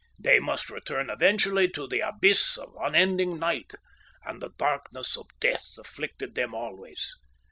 They must return eventually to the abyss of unending night, and the darkness of death afflicted them always.